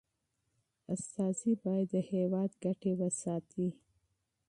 استازي باید د هیواد ګټي وساتي.